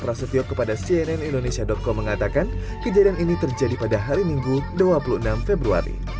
prasetyo kepada cnn indonesia com mengatakan kejadian ini terjadi pada hari minggu dua puluh enam februari